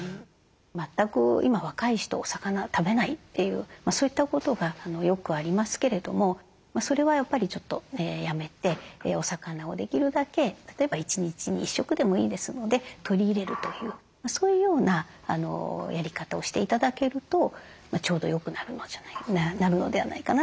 全く今若い人お魚食べないというそういったことがよくありますけれどもそれはやっぱりちょっとやめてお魚をできるだけ例えば１日に１食でもいいですので取り入れるというそういうようなやり方をして頂けるとちょうどよくなるのではないかなというふうに思います。